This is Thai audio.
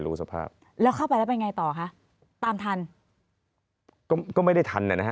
สภาพแล้วเข้าไปแล้วเป็นไงต่อคะตามทันก็ก็ไม่ได้ทันเนี่ยนะฮะ